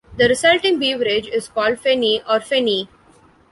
The resulting beverage is called "feni" or fenny.